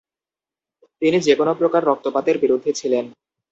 তিনি যেকোন প্রকার রক্তপাতের বিরুদ্ধে ছিলেন।